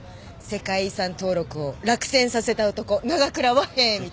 「世界遺産登録を落選させた男長倉和平」みたいなね。